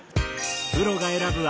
プロが選ぶ